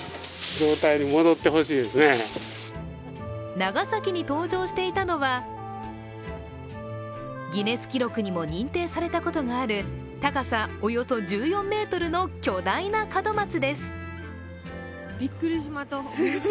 長崎に登場していたのは、ギネス記録にも認定されたことがある高さおよそ１４ｍの巨大な門松です。